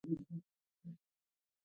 توده ډوډۍ او شین چای ستړیا له منځه وړي.